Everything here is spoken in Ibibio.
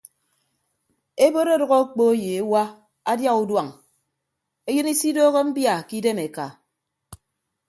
Ebot ọdʌk okpo ye ewa adia uduañ eyịn isidooho mbia ke idem eka.